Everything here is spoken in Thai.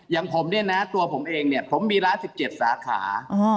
อย่างผมเนี่ยนะตัวผมเองเนี่ยผมมีร้าน๑๗สาขา